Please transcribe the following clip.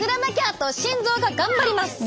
と心臓が頑張ります！